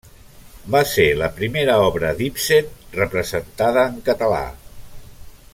Va ser la primera obra d'Ibsen representada en català.